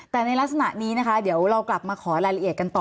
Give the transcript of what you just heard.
แต่ในลักษณะนี้นะคะเดี๋ยวเรากลับมาขอรายละเอียดกันต่อ